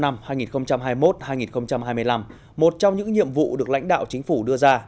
năm hai nghìn hai mươi một hai nghìn hai mươi năm một trong những nhiệm vụ được lãnh đạo chính phủ đưa ra